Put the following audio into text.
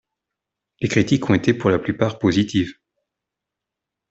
Les critiques ont été pour la plupart positives.